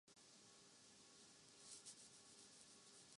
تو پاکستانی افسران وہاں موجود تھے۔